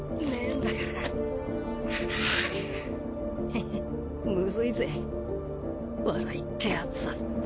ヘヘッムズいぜ笑いってやつは。